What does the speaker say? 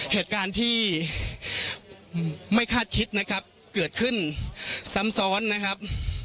เหตุการณ์ที่ไม่คาดคิดนะครับเกิดขึ้นซ้ำซ้อนนะครับ